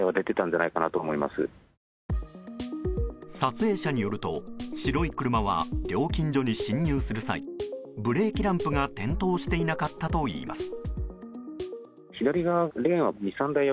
撮影者によると白い車は料金所に進入する際ブレーキランプが点灯していなかったといいます。